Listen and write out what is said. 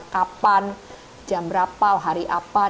kapan jam berapa hari apa dan lain lain